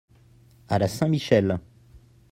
À la Saint-Michel.